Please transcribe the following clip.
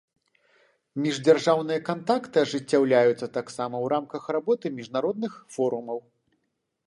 Міждзяржаўныя кантакты ажыццяўляюцца таксама ў рамках работы міжнародных форумаў.